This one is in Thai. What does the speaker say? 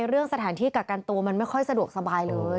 เรื่องสถานที่กักกันตัวมันไม่ค่อยสะดวกสบายเลย